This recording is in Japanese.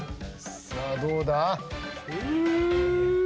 さあどうだ？